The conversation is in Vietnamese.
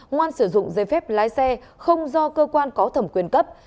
ngoan sử dụng giấy phép lái xe không do cơ quan có thẩm quyền cấp